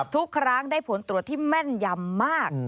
ทุกครั้งได้ผลตรวจที่แม่นยำมาก